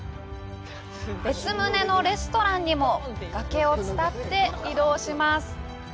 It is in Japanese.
別棟のレストランにも崖を伝って移動します。